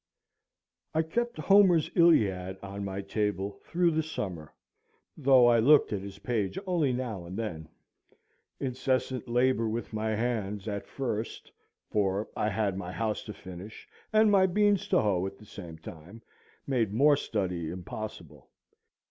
I kept Homer's Iliad on my table through the summer, though I looked at his page only now and then. Incessant labor with my hands, at first, for I had my house to finish and my beans to hoe at the same time, made more study impossible.